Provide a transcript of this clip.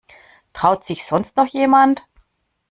Traut sich sonst noch jemand?